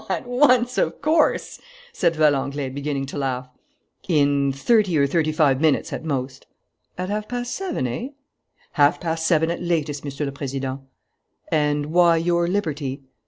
"At once, of course?" said Valenglay, beginning to laugh. "In thirty or thirty five minutes at most." "At half past seven, eh?" "Half past seven at latest, Monsieur le Président." "And why your liberty?"